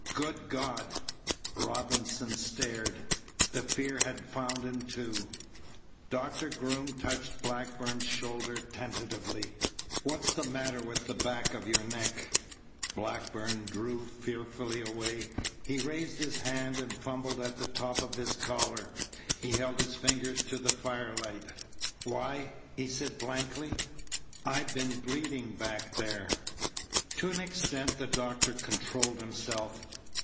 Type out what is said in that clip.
"Good God!" Robinson stared. The fear had found him, too. Doctor Groom touched Blackburn's shoulder tentatively. "What's the matter with the back of your neck?" Blackburn drew fearfully away. He raised his hand and fumbled at the top of his collar. He held his fingers to the firelight. "Why," he said blankly, "I been bleeding back there." To an extent the doctor controlled himself.